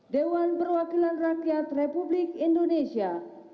dewan perwakilan rakyat republik indonesia